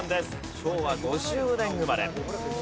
昭和５０年生まれ。